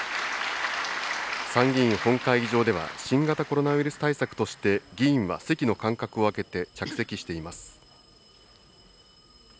参議院本会議場では、新型コロナウイルス対策として、議員は席の間隔を空けて着席しています。